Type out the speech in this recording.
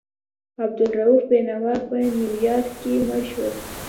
عبدالرؤف بېنوا په نیویارک کې مړ شو.